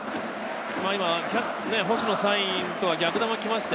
捕手のサインとは逆球が来ました。